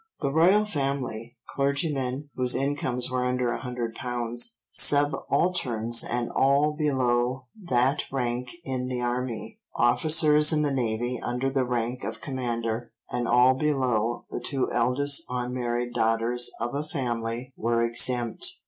The Royal Family, clergymen whose incomes were under a hundred pounds, subalterns and all below that rank in the army, officers in the navy under the rank of commander, and all below the two eldest unmarried daughters of a family were exempt.